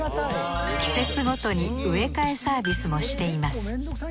季節ごとに植え替えサービスもしています。